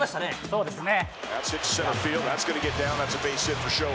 そうですね。